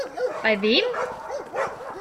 Bei wem?